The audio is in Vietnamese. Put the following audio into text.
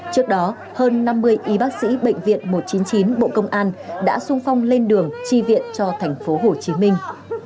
trước đó hơn năm mươi y bác sĩ bệnh viện một trăm chín mươi chín bộ công an đã sung phong lên đường chi viện cho thành phố hồ chí minh